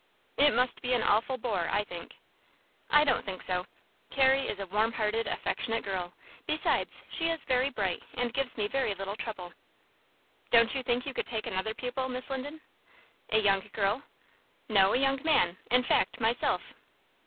"It must be an awful bore, I think." "I don't think so. Carrie is a warm hearted, affectionate girl. Besides, she is very bright and gives me very little trouble." "Don't you think you could take another pupil, Miss Linden?" "A young girl?" "No, a young man. In fact, myself."